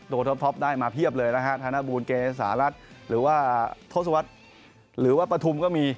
ทดท็อปได้มาเพียบเลยนะฮะธนบูลเกษารัฐหรือว่าทศวรรษหรือว่าปฐุมก็มี